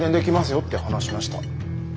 よって話しました。